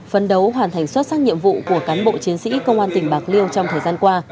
phấn đấu hoàn thành xuất sắc nhiệm vụ của cán bộ chiến sĩ công an tỉnh bạc liêu trong thời gian qua